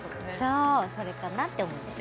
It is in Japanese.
そうそれかなって思います